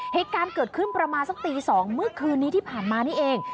เหตุการณ์เกิดขึ้นประมาณสักตี๒เมื่อคืนนี้ที่ผ่านมานี่เอง